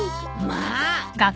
まあ。